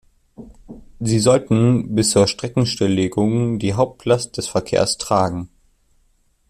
Sie sollten bis zur Streckenstilllegung die Hauptlast des Verkehrs tragen.